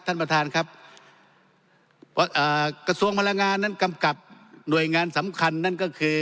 ท่านประธานครับเอ่อกระทรวงพลังงานนั้นกำกับหน่วยงานสำคัญนั่นก็คือ